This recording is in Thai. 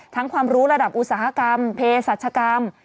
ความรู้ระดับอุตสาหกรรมเพศรัชกรรม